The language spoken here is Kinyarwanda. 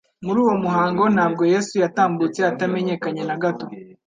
Muri uwo muhango ntabwo Yesu yatambutse atamenyekanye na gato.